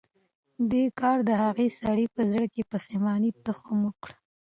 دې کار د هغه سړي په زړه کې د پښېمانۍ تخم وکره.